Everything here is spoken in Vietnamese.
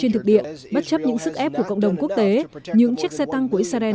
theo cộng đồng quốc tế những chiếc xe tăng của israel